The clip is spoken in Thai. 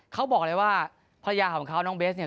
เขาบอกเลยว่าภรรยาของเขาน้องเบสเนี่ย